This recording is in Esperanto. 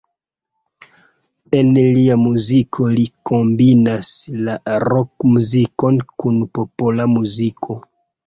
En lia muziko li kombinas la rok-muzikon kun popola muziko.